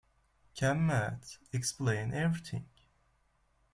Can maths explain everything?